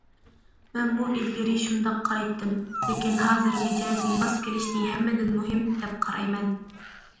مەنمۇ ئىلگىرى شۇنداق قارايتتىم، لېكىن ھازىر مىجەزى ماس كېلىشنى ھەممىدىن مۇھىم، دەپ قارايمەن.